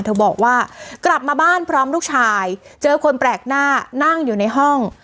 บอกว่ากลับมาบ้านพร้อมลูกชายเจอคนแปลกหน้านั่งอยู่ในห้อง